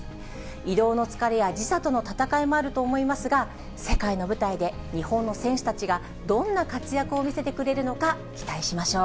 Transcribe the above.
移動の疲れや時差との戦いもあると思いますが、世界の舞台で日本の選手たちがどんな活躍を見せてくれるのか、期待しましょう。